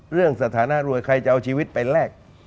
สถานะรวยใครจะเอาชีวิตไปแลก